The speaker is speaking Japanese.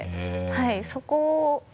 はいそこを。